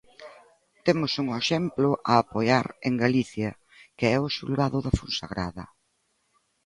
Temos un exemplo a apoiar en Galicia, que é o Xulgado da Fonsagrada.